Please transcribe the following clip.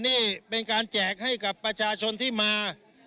นี่เป็นการแจกให้กับประชาชนที่มา